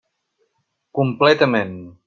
Completament.